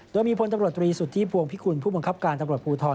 โดยมีพลตำรวจตรีสุทธิพวงพิคุณผู้บังคับการตำรวจภูทร